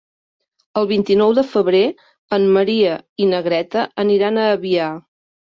El vint-i-nou de febrer en Maria i na Greta aniran a Avià.